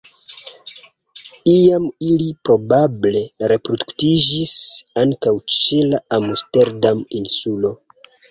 Iam ili probable reproduktiĝis ankaŭ ĉe la Amsterdam-Insulo.